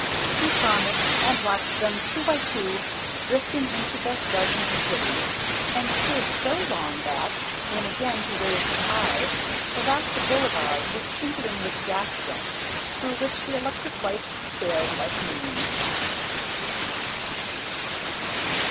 He promised, and watched them, two by two, drift into the darkening city, and stood so long that, when again he raised his eyes, the vast Boulevard was twinkling with gas jets through which the electric lights stared like moons.